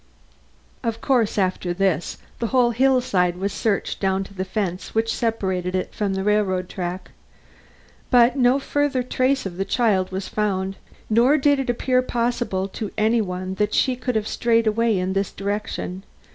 Of course, after this the whole hillside was searched down to the fence which separated it from the railroad track. But no further trace of the missing child was found, nor did it appear possible to any one that she could have strayed away in this direction.